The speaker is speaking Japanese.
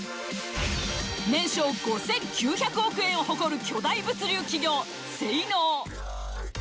年商５，９００億円を誇る巨大物流企業セイノー。